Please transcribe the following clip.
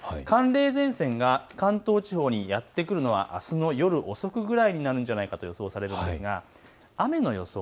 寒冷前線が関東地方にやって来るのは、あすの夜遅くぐらいになるんじゃないかと予想されています。